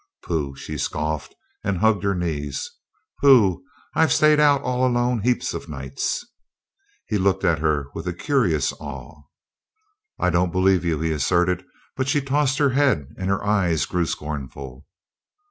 "Pooh!" she scoffed and hugged her knees. "Pooh! I've stayed out all alone heaps o' nights." He looked at her with a curious awe. "I don't believe you," he asserted; but she tossed her head and her eyes grew scornful.